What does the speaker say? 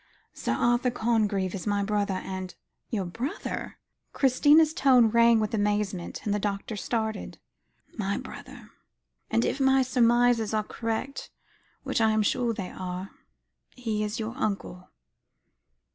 Sir Arthur Congreve is my brother, and " "Your brother?" Christina's tone rang with amazement, and the doctor started. "My brother; and if my surmises are correct, which I am sure they are, he is your uncle."